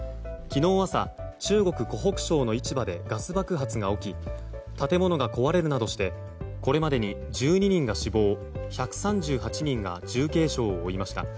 昨日朝中国・湖北省の市場でガス爆発が起き建物が壊れるなどしてこれまでに１２人が死亡１３８人が重軽傷を負いました。